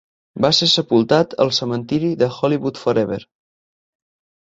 Va ser sepultat al cementiri de Hollywood Forever.